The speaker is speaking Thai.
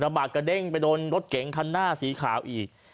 บากกระเด้งไปโดนรถเก๋งคันหน้าสีขาวอีก